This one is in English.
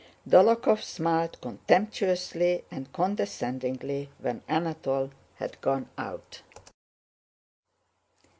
Dólokhov smiled contemptuously and condescendingly when Anatole had gone out.